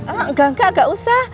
enggak enggak enggak usah